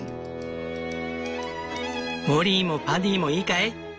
モリーもパディもいいかい？